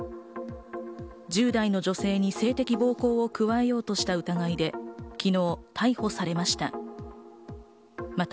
１０代の女性に性的暴行を加えようとした疑いで、昨日逮捕されました。